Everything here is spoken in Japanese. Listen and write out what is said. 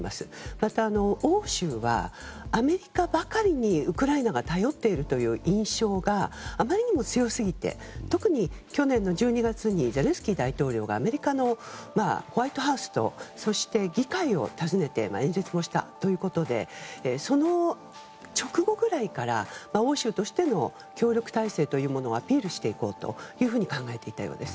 また、欧州はアメリカばかりにウクライナが頼っているという印象があまりにも強すぎて特に去年の１２月にゼレンスキー大統領がアメリカのホワイトハウスとそして、議会を訪ねて演説もしたということでその直後くらいから欧州としての協力体制をアピールしていこうというふうに考えていたようです。